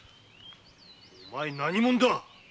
お前は何者だ。